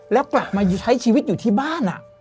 แล้วกลับมาใช้ชีวิตอยู่ที่บ้าน